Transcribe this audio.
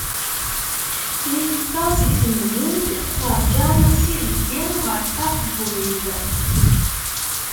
Mi teffeɣ seg temdint, terǧa s yibeddi ɣer ṭṭerf n ubrid.